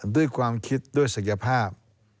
ด้วยความคิดด้วยศักยภาพ